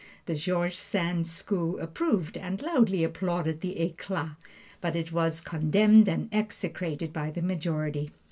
The George Sand school approved and loudly applauded the "eclat"; but it was condemned and execrated by the majority.